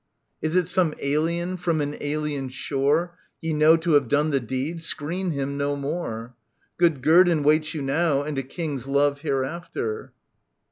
Is it some alien from an alien shore Ye know to have done the deed, screen him no more I Good guerdon waits you now and a King's love Hereafter.